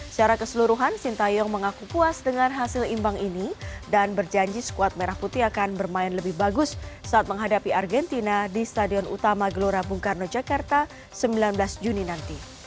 secara keseluruhan sintayong mengaku puas dengan hasil imbang ini dan berjanji skuad merah putih akan bermain lebih bagus saat menghadapi argentina di stadion utama gelora bung karno jakarta sembilan belas juni nanti